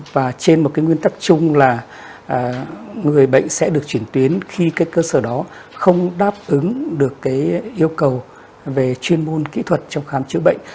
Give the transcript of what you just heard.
và trên một cái nguyên tắc chung là người bệnh sẽ được chuyển tuyến khi cái cơ sở đó không đáp ứng được cái yêu cầu về chuyên môn kỹ thuật trong khám chữa bệnh